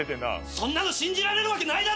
そんなの信じられるわけないだろ！